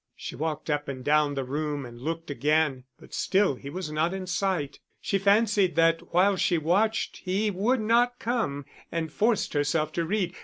She walked up and down the room and looked again, but still he was not in sight. She fancied that while she watched he would not come, and forced herself to read.